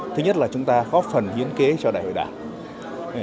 thứ nhất là chúng ta góp phần hiến kế cho đại hội đảng